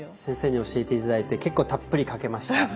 先生に教えて頂いて結構たっぷりかけました。